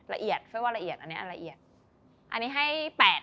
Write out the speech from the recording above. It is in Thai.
ระเอียดไฟ้ว่าระเอียดอันนี้ละเอี๋ยดอันนี้ให้๘